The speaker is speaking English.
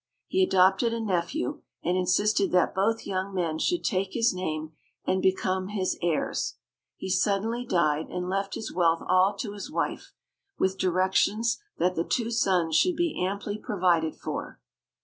He adopted a nephew and insisted that both young men should take his name and become his heirs. He suddenly died and left his wealth all to his wife, with directions that the two sons should be amply provided for.